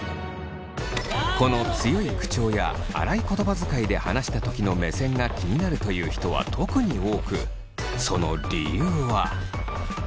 この強い口調や荒い言葉遣いで話したときの目線が気になるという人は特に多くその理由は。